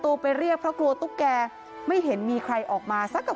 มีแต่เสียงตุ๊กแก่กลางคืนไม่กล้าเข้าห้องน้ำด้วยซ้ำ